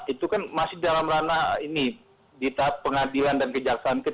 itu kan masih dalam ranah ini di tahap pengadilan dan kejaksaan